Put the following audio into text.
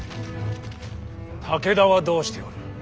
武田はどうしておる。